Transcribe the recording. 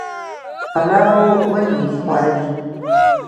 پلاو ولې ملي خواړه دي؟